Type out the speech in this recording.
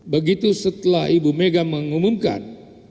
begitu setelah ibu mega mengumumkan